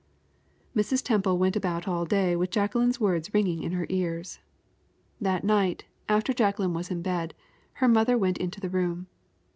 Mrs. Temple went about all day with Jacqueline's words ringing in her ears. That night, after Jacqueline was in bed, her mother went into the room.